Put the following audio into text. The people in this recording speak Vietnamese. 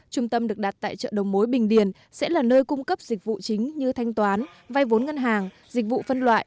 trung tâm được đặt tại chợ đầu mối bình điền sẽ là nơi cung cấp dịch vụ chính như thanh toán vay vốn ngân hàng dịch vụ phân loại